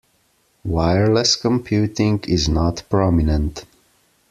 Wireless computing is not prominent.